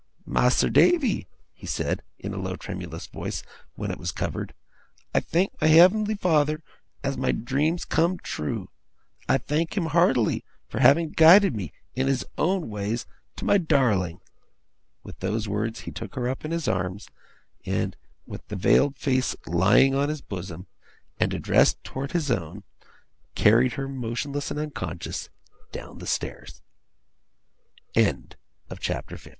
'Mas'r Davy,' he said, in a low tremulous voice, when it was covered, 'I thank my Heav'nly Father as my dream's come true! I thank Him hearty for having guided of me, in His own ways, to my darling!' With those words he took her up in his arms; and, with the veiled face lying on his bosom, and addressed towards his own, carried her, motionless and unconscious, down the stairs. CHAPTER 51.